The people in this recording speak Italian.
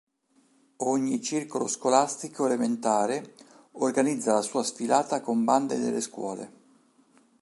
Ogni circolo scolastico elementare organizza la sua sfilata con bande delle scuole.